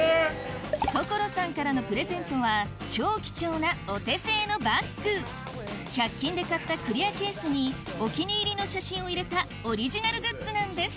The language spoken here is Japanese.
所さんからのプレゼントは超貴重なお手製のバッグ１００均で買ったクリアケースにお気に入りの写真を入れたオリジナルグッズなんです